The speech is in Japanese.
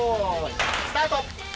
スタート。